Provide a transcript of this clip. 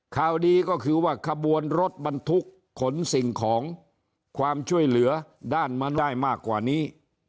ข่าวดีก็คือว่าขบวนรถบรรทุกขนสิ่งของความช่วยเหลือด้านมันได้มากกว่านี้